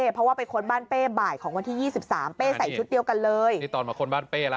เพราะว่าไปค้นบ้านเป้บ่ายของวันที่ยี่สิบสามเป้ใส่ชุดเดียวกันเลยนี่ตอนมาค้นบ้านเป้ละ